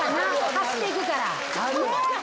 走っていくからね。